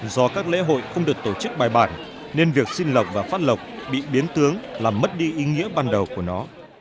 do các lễ hội không được tổ chức bài bản nên việc xin lọc và phát lộc bị biến tướng làm mất đi ý nghĩa ban đầu của nó